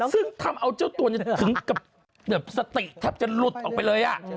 ซึ่งทำเอาเจ้าตัวนี้ถึงกับแบบสติแทบจะหลุดออกไปเลย